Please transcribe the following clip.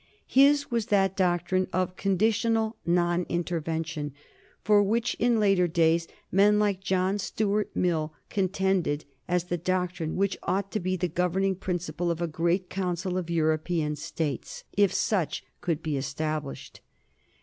His was that doctrine of conditional non intervention for which, in later days, men like John Stuart Mill contended as the doctrine which ought to be the governing principle of a great council of European States, if such could be established.